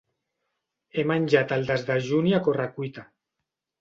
He menjat el desdejuni a correcuita.